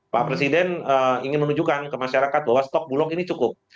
pak presiden ingin menunjukkan ke masyarakat bahwa stok bulog ini cukup